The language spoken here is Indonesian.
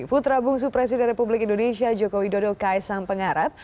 putra bung supresi dari republik indonesia jokowi dodo kaisang pengarap